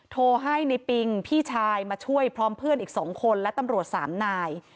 โทรให้ในปิงพี่ชายมาช่วยพร้อมเพื่อนอีก๒คนและตำรวจสามนาย